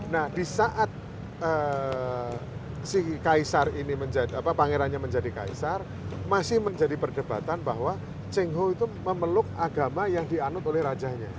nah di saat si kaisar ini pangerannya menjadi kaisar masih menjadi perdebatan bahwa cheng ho itu memeluk agama yang dianut oleh rajanya